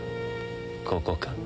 ここか？